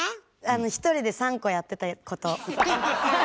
１人で３個やってたこと。